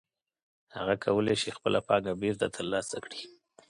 هغه کولی شي خپله پانګه بېرته ترلاسه کړي